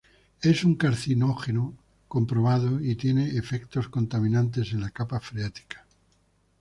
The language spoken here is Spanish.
Es un carcinógeno comprobado, y tiene efectos contaminantes en la capa freática.